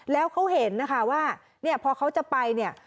แล้วเขาเห็นนะคะว่าเนี่ยพอเขาจะไปเนี่ย